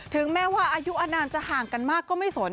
ถึงแม้ว่าอายุอนานจะห่างกันมากก็ไม่สน